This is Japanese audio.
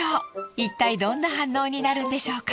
いったいどんな反応になるんでしょうか？